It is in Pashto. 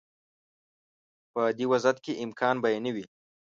په دې وضعیت کې امکان به یې نه وي.